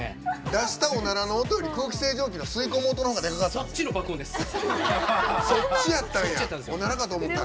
出したおならの音より空気清浄機の吸い込む音のほうがでかかった。